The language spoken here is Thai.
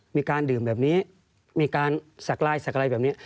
มีการดื่มแบบนี้มีการสักลายสักอะไรแบบนี้